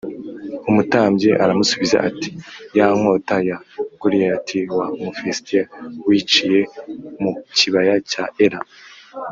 Umutambyi aramusubiza ati “Ya nkota ya Goliyati wa Mufilisitiya wiciye mu kibaya cya Ela